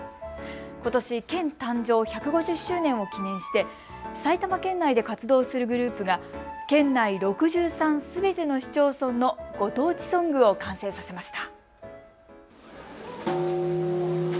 ことし、県誕生１５０周年を記念して埼玉県内で活動するグループが県内６３すべての市町村のご当地ソングを完成させました。